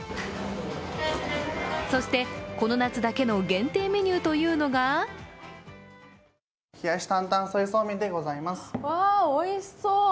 そして、この夏だけの限定メニューというのがうわ、おいしそう。